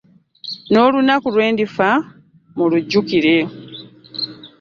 N'olunaku lwendifa mulujjukire .